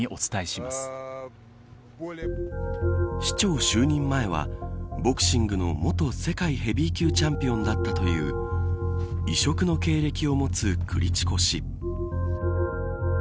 市長就任前はボクシングの元世界ヘビー級チャンピオンだったという異色の経歴を持つクリチコ氏。